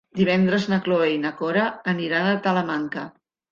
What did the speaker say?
Divendres na Cloè i na Cora aniran a Talamanca.